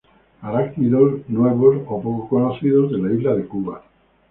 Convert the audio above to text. Arácnidos nuevos o poco conocidos de la Isla de Cuba.